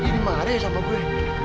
ini dimana ya sama gue